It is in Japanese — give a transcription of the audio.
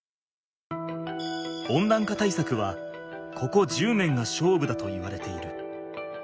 温暖化対策はここ１０年が勝負だといわれている。